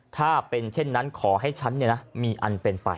ถ้าเป็นเช่นนั้นขอให้ฉันมีอันเป็นไป